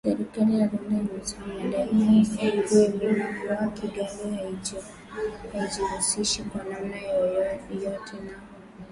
Serikali ya Rwanda, imesema madai hayo si ya kweli, na kua Kigali haijihusishi kwa namna yoyote na mashambulizi ya waasi hao nchini Jamhuri ya Kidemokrasia ya Kongo